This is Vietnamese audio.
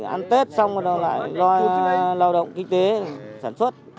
ăn tết xong rồi lại do lao động kinh tế sản xuất